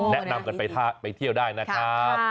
แนะนำกันไปเที่ยวได้นะครับ